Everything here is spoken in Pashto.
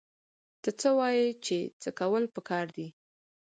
ته څه وايې چې څه کول پکار دي؟